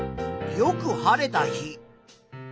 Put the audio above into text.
よく晴れた日。